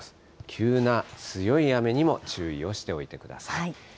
急な強い雨にも注意をしておいてください。